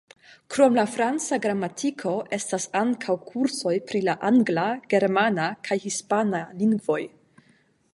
Krom la franca gramatiko, estis ankaŭ kursoj pri la angla, germana kaj hispana lingvoj.